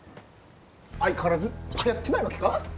相変わらずはやってないわけか？